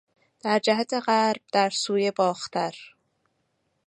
در جهت غرب، در سوی باختر